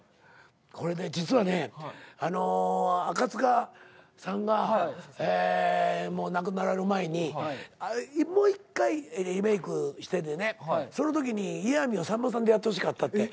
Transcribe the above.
実はね赤塚さんが亡くなられる前にもう１回リメークしててねそのときにイヤミをさんまさんでやってほしかったって。